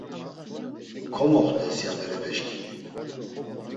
Komoxt̆es, ya berepeşǩimi.